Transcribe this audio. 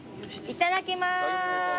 いただきます。